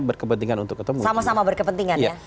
berkepentingan untuk sama sama berkepentingan ya